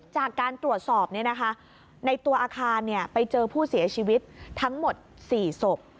จากการตรวจสอบในตัวอาคารไปเจอผู้เสียชีวิตทั้งหมด๔ศพ